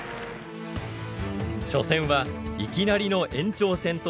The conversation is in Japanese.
初戦はいきなりの延長戦となります。